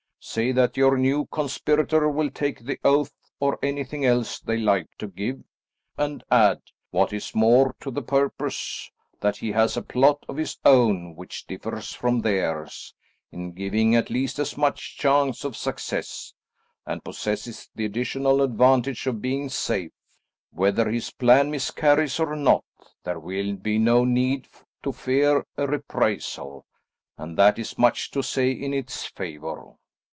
Say that your new conspirator will take the oath, or anything else they like to give, and add, what is more to the purpose, that he has a plot of his own which differs from theirs, in giving at least as much chance of success, and possesses the additional advantage of being safe. Whether his plan miscarries or not, there will be no need to fear a reprisal, and that is much to say in its favour."